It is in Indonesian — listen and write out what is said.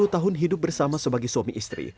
empat puluh tahun hidup bersama sebagai suami istri